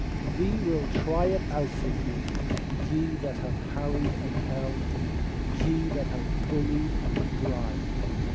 We will try it out with you ye that have harried and held, Ye that have bullied and bribed.